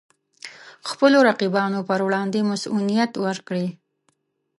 خپلو رقیبانو پر وړاندې مصئونیت ورکړي.